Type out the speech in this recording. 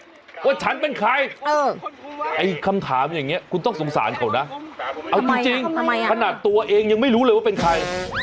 ว่าฉันเป็นใครไอ้คำถามอย่างนี้คุณต้องสงสารเขานะเอาจริงขนาดตัวเองยังไม่รู้เลยว่าเป็นใคร